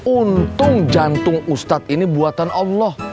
untung jantung ustadz ini buatan allah